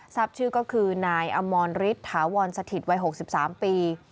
ทราบชื่อก็คือนายอมรฤทธาวรสถิตวัย๖๓ปี